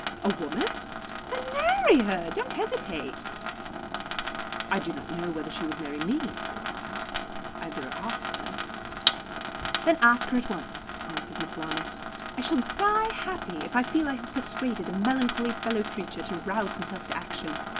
"A woman? Then marry her. Don't hesitate." "I do not know whether she would marry me," I replied. "I have never asked her." "Then ask her at once," answered Miss Lammas. "I shall die happy if I feel I have persuaded a melancholy fellow creature to rouse himself to action.